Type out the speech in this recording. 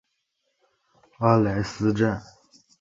阿莱斯站。